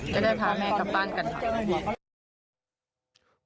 จะได้พาแม่กลับบ้านกันค่ะ